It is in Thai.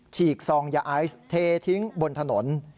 ฉกซองยาไอซ์เททิ้งบนถนน